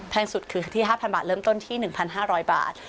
สุดคือที่๕๐๐บาทเริ่มต้นที่๑๕๐๐บาท